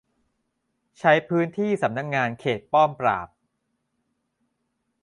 ใช้พื้นที่สำนักงานเขตป้อมปราบ